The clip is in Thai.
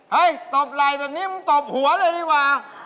ตบไหล่แบบนี้มึงตบหัวเลยดีกว่า